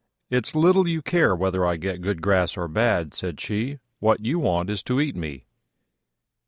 "It's little you care whether I get good grass or bad," said she: "what you want is to eat me."